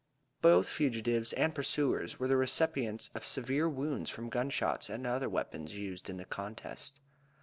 Both fugitives and pursuers were the recipients of severe wounds from gun shots, and other weapons used in the contest.